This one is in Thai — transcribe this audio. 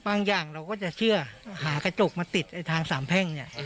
อย่างเราก็จะเชื่อหากระจกมาติดทางสามแพ่งเนี่ย